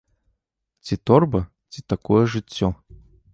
Ці торба, ці такое жыццё.